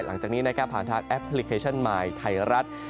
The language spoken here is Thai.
หลังจากนี้นะครับผ่านทางแอปพลิเคชันมายไทยรัฐ